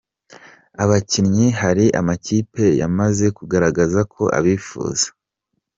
Aba bakinnyi hari amakipe yamaze kugaragaza ko abifuza.